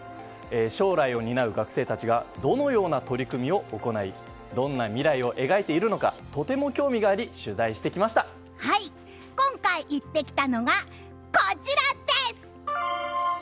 将来を担う学生たちがどのような取り組みを行いどんな未来を描いているのかとても興味があり今回、行ってきたのがこちらです！